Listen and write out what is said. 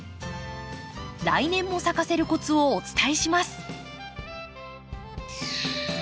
来年も咲かせるコツをお伝えします。